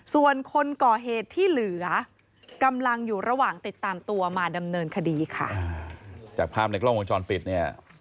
ส่วนคนก่อเหตุที่เหลือกำลังอยู่ระหว่างติดตามตัวมาดำเนินคดีค่ะจากภาพในกล้องวงจรปิดเนี่ย